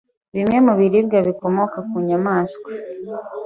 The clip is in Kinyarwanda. bimwe mu biribwa bikomoka ku nyamaswa